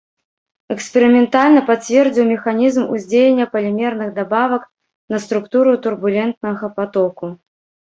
Эксперыментальна пацвердзіў механізм уздзеяння палімерных дабавак на структуру турбулентнага патоку.